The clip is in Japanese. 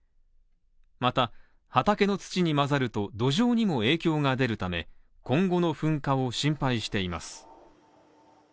また、畑の土に混ぜると、土壌にも影響が出るため、今後の噴火を心配しています。